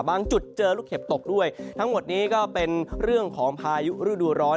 จุดเจอลูกเห็บตกด้วยทั้งหมดนี้ก็เป็นเรื่องของพายุฤดูร้อน